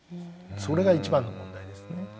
それが一番の問題ですね。